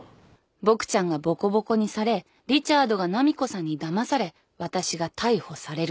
ボクちゃんがボコボコにされリチャードが波子さんにだまされ私が逮捕される。